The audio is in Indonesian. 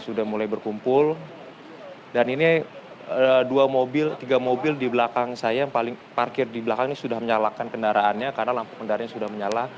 sudah mulai berkumpul dan ini dua mobil tiga mobil di belakang saya yang paling parkir di belakang ini sudah menyalakan kendaraannya karena lampu kendaraannya sudah menyala